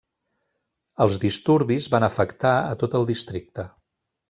Els disturbis van afectar a tot el districte.